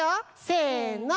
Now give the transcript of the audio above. せの。